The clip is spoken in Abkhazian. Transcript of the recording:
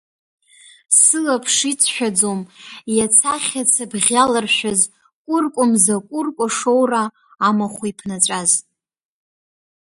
Сылаԥш иҵшәаӡом иац ахьаца бӷьы иаларшәыз, Кәыркәа мза кәыркәа шоура амахәиԥнаҵәаз!